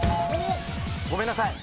ごめんなさい。